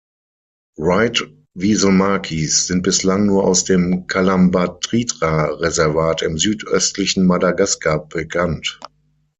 Wright-Wieselmakis sind bislang nur aus dem Kalambatritra-Reservat im südöstlichen Madagaskar bekannt.